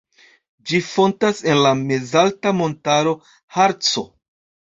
Ĝi fontas en la mezalta montaro Harco.